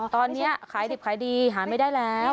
ตอนนี้ขายดิบขายดีหาไม่ได้แล้ว